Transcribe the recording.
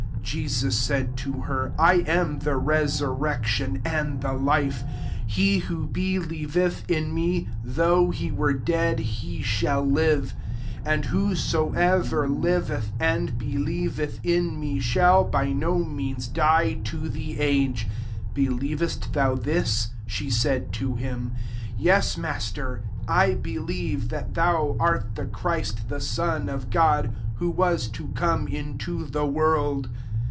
25 Jesus said to her, " I am the resurrection, and the life : he who believeth in me, though he were dead, he shall live ; 26 and whosoever liveth, and believeth in me, shall by no means die to the age. Believest thou this ? 27 She said to him, « Yes, Master, I believe that thou art the Christ, the Son of God, who was to come into the world."